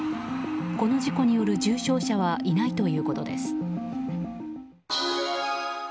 この事故による重傷者はいないということです。